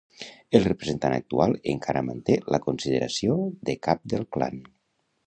El representant actual encara manté la consideració de cap del clan.